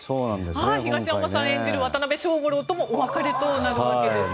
東山さん演じる、渡辺小五郎ともお別れとなるわけですね。